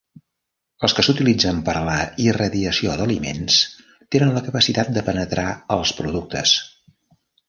Els que s'utilitzen per a la irradiació d'aliments tenen la capacitat de penetrar als productes.